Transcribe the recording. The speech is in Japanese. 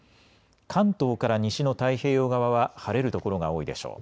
関東から西の太平洋側は晴れる所が多いでしょう。